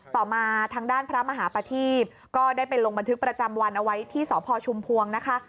ต่อมาทางด้านพระมหาประทีพก็ได้ไปลงบันทึกประจำวันเอาไว้ที่สพชุมพวงนะคะ